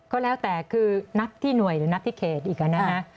ก็แล้วแต่คือนับที่หน่วยหรือนับที่เขตอีกนะนะ